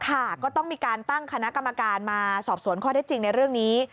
ก็ต้องมีการตั้งคณะกรรมการมาสอบสวนข้อได้จริงในเรื่องนี้